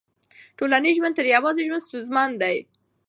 ټولنیز ژوند تر يوازي ژوند ستونزمن دی.